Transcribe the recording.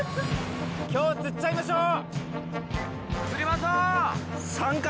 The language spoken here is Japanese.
きょう釣っちゃいましょう。